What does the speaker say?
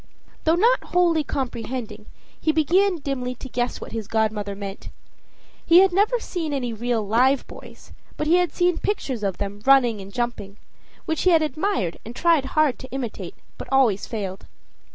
Though not wholly comprehending, he began dimly to guess what his godmother meant. He had never seen any real live boys, but he had seen pictures of them running and jumping; which he had admired and tried hard to imitate but always failed.